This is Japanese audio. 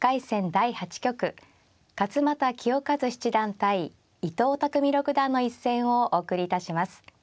第８局勝又清和七段対伊藤匠六段の一戦をお送りいたします。